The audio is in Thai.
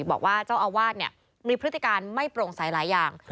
บอกว่าเจ้าอาวาสมีพฤติการไม่โปร่งใสหลายอย่าง